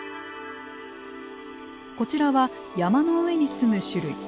こちらは山の上に住む種類。